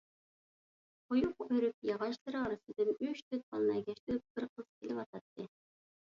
قويۇق ئۆرۈك ياغاچلىرى ئارىسىدىن ئۈچ-تۆت بالىنى ئەگەشتۈرۈپ، بىر قىز كېلىۋاتاتتى.